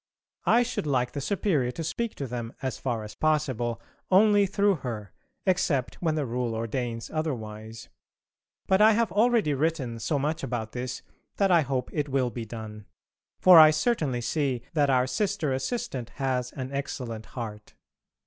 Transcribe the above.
I should like the Superior to speak to them as far as possible only through her, except when the Rule ordains otherwise. But I have already written so much about this that I hope it will be done; for I certainly see that our Sister Assistant has an excellent heart.